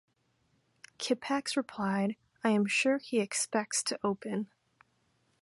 Kippax replied, I am sure he expects to open.